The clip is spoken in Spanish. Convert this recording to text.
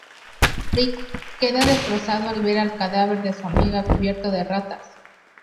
Rigg queda destrozado al ver al cadáver de su amiga cubierto de ratas.